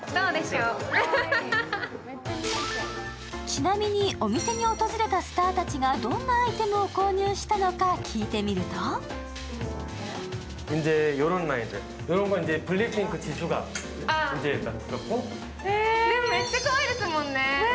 ちなみに、お店に訪れたスターたちがどんなアイテムを購入したのか聞いててみるとめっちゃかわいいですもんね。